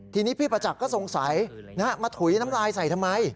ทีนี้พี่ประจักษ์ก็สงสัยมาถุยน้ำลายใส่ทำไม